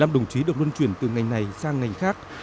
một mươi năm đồng chí được luân chuyển từ ngành này sang ngành khác